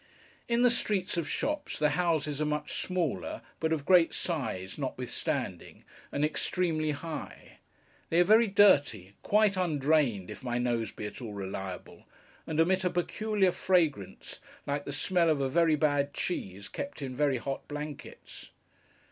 In the streets of shops, the houses are much smaller, but of great size notwithstanding, and extremely high. They are very dirty: quite undrained, if my nose be at all reliable: and emit a peculiar fragrance, like the smell of very bad cheese, kept in very hot blankets.